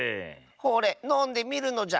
ほれのんでみるのじゃ。